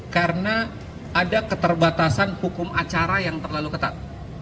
karena ada keterbatasan hukum acara yang terlalu ketat